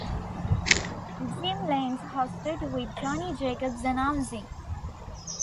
Jim Lange hosted, with Johnny Jacobs announcing.